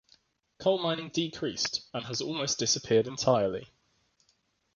Coal mining decreased, and has almost disappeared entirely.